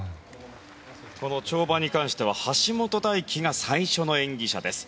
この跳馬に関しては橋本大輝が最初の演技者です。